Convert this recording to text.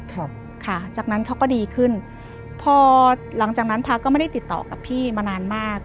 ครับค่ะจากนั้นเขาก็ดีขึ้นพอหลังจากนั้นพระก็ไม่ได้ติดต่อกับพี่มานานมาก